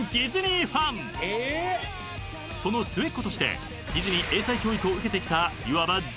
［その末っ子としてディズニー英才教育を受けてきたいわば］